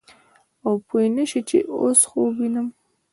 او پوه نه سې چې اوس خوب وينم.